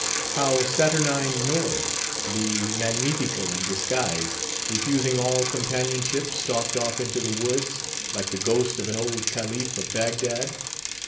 How saturnine Nord, the magnifico in disguise, refusing all companionship, stalked off into the woods, like the ghost of an old Calif of Bagdad?